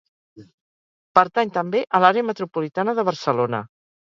Pertany també a l'Àrea Metropolitana de Barcelona.